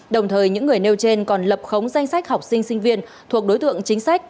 đồng thời những người nêu trên còn lập khống danh sách học sinh sinh viên thuộc đối tượng chính sách